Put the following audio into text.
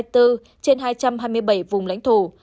trên hai trăm hai mươi bảy vùng lãnh thổ